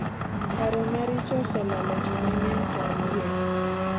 Paro maricho oselalo ji mang'eny to adiera.